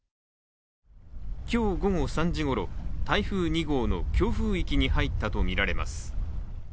今日午後３時ごろ、台風２号の強風域に入ったとみられます。